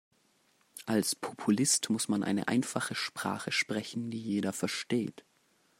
Als Populist muss man eine einfache Sprache sprechen, die jeder versteht.